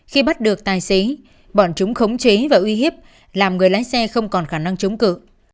khi bắt được tài xế bọn chúng khống chế và uy hiếp làm người lái xe không còn khả năng chống cự